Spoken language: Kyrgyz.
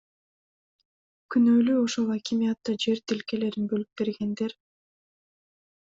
Күнөөлүү ошол акимиатта жер тилкелерин бөлүп бергендер.